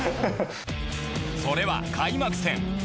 それは開幕戦。